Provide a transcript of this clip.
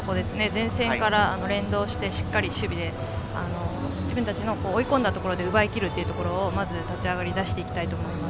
前線から連動してしっかり守備で自分たちの追い込んだところで奪いきるところをまず、立ち上がりで出していきたいと思います。